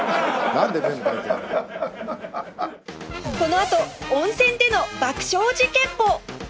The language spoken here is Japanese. このあと温泉での爆笑事件簿